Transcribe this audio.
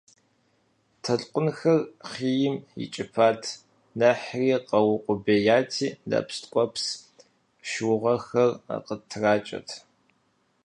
Толъкъунхэр хъийм икӀыпат, нэхъри къэукъубеяти, нэпс ткӀуэпс шыугъэхэр къытракӀэрт.